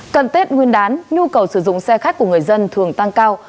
cận tết nguyên đán nhu cầu sử dụng xe khách của người dân thường tăng cao